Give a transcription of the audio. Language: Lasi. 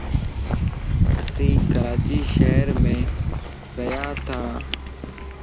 اسين ڪراچي شھر مَ ريان تان